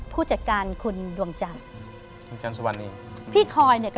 ผู้จัดการคุณดวงจันทร์